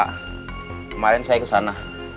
kemarin saya kesana